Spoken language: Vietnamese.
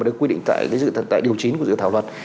được quy định tại điều chín của dự thảo luật